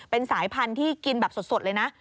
เป็นสายพันธุ์ที่กินแบบสดเลยนะ